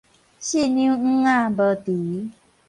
四兩鈗仔無除